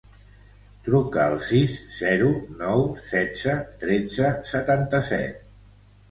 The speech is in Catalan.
Truca al sis, zero, nou, setze, tretze, setanta-set.